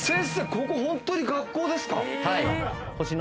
ここホントに学校ですか？